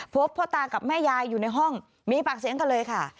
พ่อตากับแม่ยายอยู่ในห้องมีปากเสียงกันเลยค่ะ